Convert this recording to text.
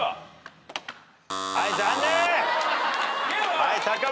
はい残念。